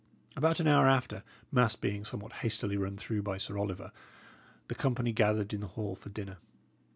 About an hour after, mass being somewhat hastily run through by Sir Oliver, the company gathered in the hall for dinner.